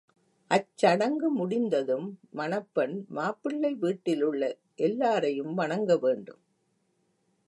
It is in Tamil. அச்சடங்கு முடிந்ததும் மணப்பெண், மாப்பிள்ளை வீட்டிலுள்ள எல்லாரையும் வணங்கவேண்டும்.